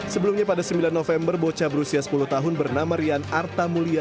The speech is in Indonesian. sebelumnya pada sembilan november bocah berusia sepuluh tahun bernama rian arta mulia